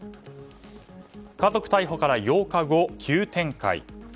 家族逮捕から８日後、急展開。